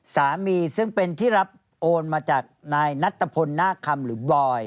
สามีซึ่งเป็นที่รับโอนมาจากนายนัตตะพลนาคคำหรือบอย